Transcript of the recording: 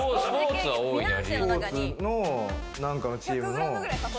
スポーツの何かチームの。